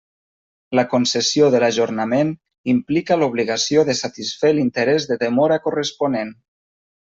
La concessió de l'ajornament implica l'obligació de satisfer l'interès de demora corresponent.